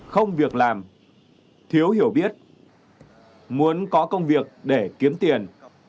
không việc làm thiếu hiểu biết muốn có công việc để kiếm tiền